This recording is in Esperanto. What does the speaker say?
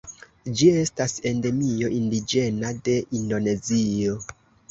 Ĝi estas endemio indiĝena de Indonezio.